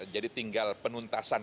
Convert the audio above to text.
jadi tinggal penuntasan